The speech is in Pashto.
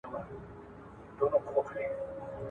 په دغه پاڼې کي د عمر فاروق ژوند ولیکئ.